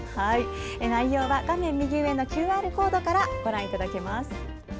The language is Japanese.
内容は画面右上のＱＲコードからご覧いただけます。